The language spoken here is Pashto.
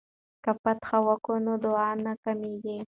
که فاتحه وکړو نو دعا نه کمیږي.